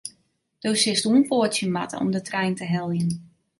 Do silst oanpoatsje moatte om de trein te heljen.